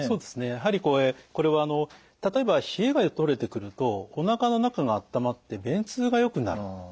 やはりこれはあの例えば冷えがとれてくるとおなかの中が温まって便通がよくなる。